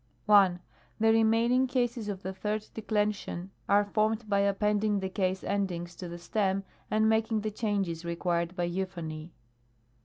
1. The remaining cases of the Third Declension are formed by appending the case endings to the stem, and making the changes required by euphony.